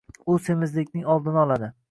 U semizlikning oldini oladi.